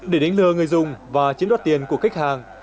để đánh lừa người dùng và chiến đoạt tiền của khách hàng